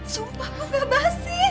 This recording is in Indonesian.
sumpah kok nggak basi